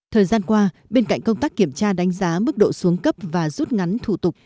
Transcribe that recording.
thời gian qua bên cạnh công tác kiểm tra đánh giá mức độ xuống cấp và rút ngắn thủ tục